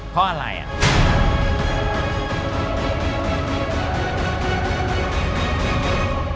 เพราะอะไรอ่ะ